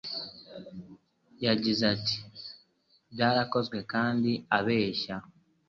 Yagize ati Byarakozwe kandi abeshya